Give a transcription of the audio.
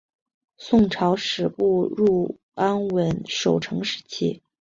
宋朝始步入安稳守成时期。